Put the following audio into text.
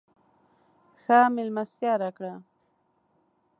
ښه مېلمستیا راکړه.